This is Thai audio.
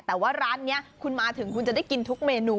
แต่ว่าร้านนี้คุณมาถึงคุณจะได้กินทุกเมนู